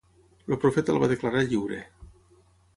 El Profeta el va declarar lliure.